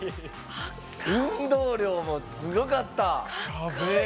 運動量もすごかった。